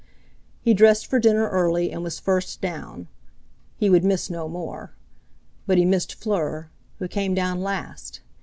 He dressed for dinner early, and was first down. He would miss no more. But he missed Fleur, who came down last.